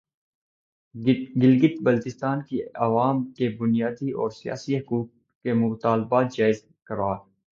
گلگت بلتستان کے عوام کے بنیادی اور سیاسی حقوق کے مطالبات جائز قرار